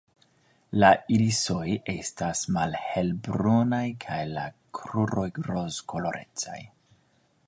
La irisoj estas malhelbrunaj kaj la kruroj rozkolorecaj.